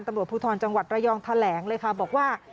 ตำรวจภูทรจังหวัดระยองแถลงเลยค่ะบอกว่า